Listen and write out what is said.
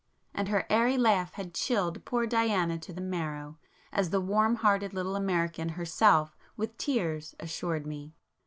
And her airy laugh had chilled poor Diana 'to the marrow,' as the warm hearted little American herself, with tears, assured me.